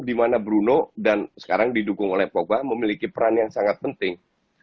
di mana bruno dan sekarang didukung oleh pogba memiliki peran yang sangat penting